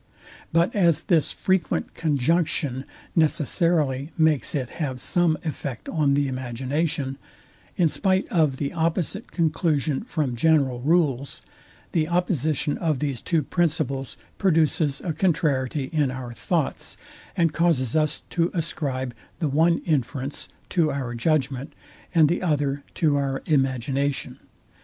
But as this frequent conjunction necessity makes it have some effect on the imagination, in spite of the opposite conclusion from general rules, the opposition of these two principles produces a contrariety in our thoughts, and causes us to ascribe the one inference to our judgment, and the other to our imagination.